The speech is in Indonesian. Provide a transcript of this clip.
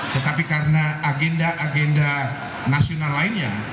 tetapi karena agenda agenda nasional lainnya